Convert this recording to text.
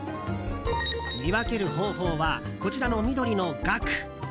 見分ける方法はこちらの緑のガク。